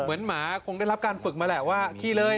เหมือนหมาคงได้รับการฝึกมาล่ะว่าขี้เลย